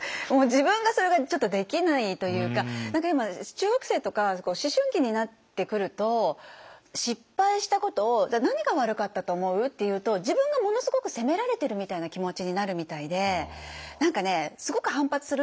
自分がそれができないというか中学生とか思春期になってくると失敗したことを「何が悪かったと思う？」って言うと自分がものすごく責められてるみたいな気持ちになるみたいで何かねすごく反発するんですよ。